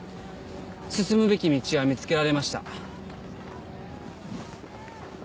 進むべき道は見つけられました。